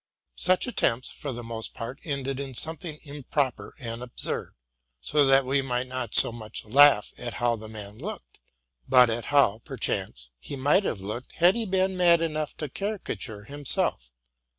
Such attempts, for the most part, ended in something improper and absurd ; so that we did not so much laugh at how the man looked, but at how, perchance, he might have looked had he been mad enough to caricature himself.